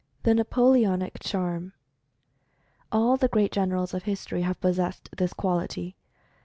THE NAPOLEONIC CHARM. All the great generals of history have possessed this quality.